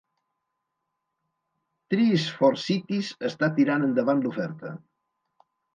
Trees for Cities està tirant endavant l'oferta.